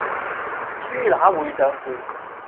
豬乸會上樹